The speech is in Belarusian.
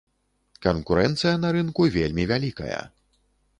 Канкурэнцыя на рынку вельмі вялікая.